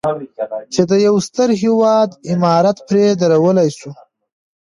چې د یو ستر هېواد عمارت پرې درولی شو.